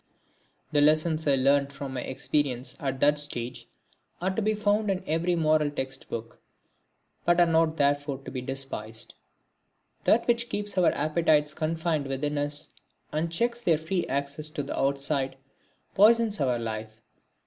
The lessons I learnt from my experiences at that stage are to be found in every moral text book, but are not therefore to be despised. That which keeps our appetites confined within us, and checks their free access to the outside, poisons our life.